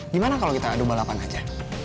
gimana kalau kita adu balapan aja